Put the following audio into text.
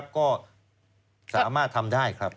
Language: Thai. ก็สามารถทำได้ครับ